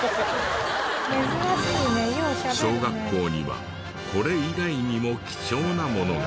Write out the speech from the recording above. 小学校にはこれ以外にも貴重なものが。